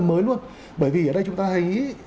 mới luôn bởi vì ở đây chúng ta thấy